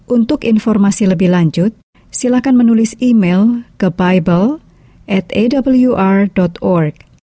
untuk informasi lebih lanjut silakan menulis email ke bible atawr org